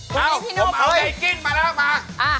ผมเอาได้กิ้นมาแล้วมา